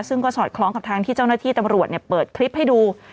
ซึ่งก็สอดคล้องกับทางที่เจ้าหน้าที่ตำรวจเปิดคลิปให้ดู